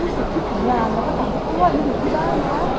คือเข้าล่อมเหมือนกับรู้สึกที่ผ่านงาน